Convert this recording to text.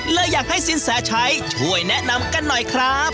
เลยอยากให้สินแสชัยช่วยแนะนำกันหน่อยครับ